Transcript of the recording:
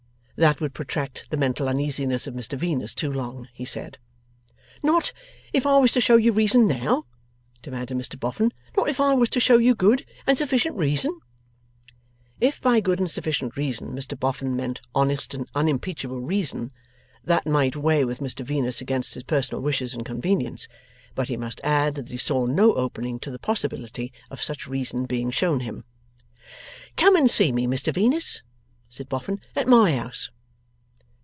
That would protract the mental uneasiness of Mr Venus too long, he said. 'Not if I was to show you reason now?' demanded Mr Boffin; 'not if I was to show you good and sufficient reason?' If by good and sufficient reason Mr Boffin meant honest and unimpeachable reason, that might weigh with Mr Venus against his personal wishes and convenience. But he must add that he saw no opening to the possibility of such reason being shown him. 'Come and see me, Venus,' said Mr Boffin, 'at my house.